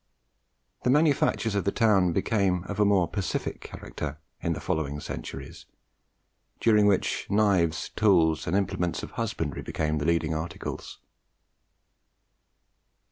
The manufactures of the town became of a more pacific character in the following centuries, during which knives, tools, and implements of husbandry became the leading articles.